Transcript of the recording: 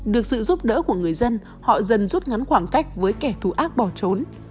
được sự giúp đỡ của người dân họ dần rút ngắn khoảng cách với kẻ thù ác bỏ trốn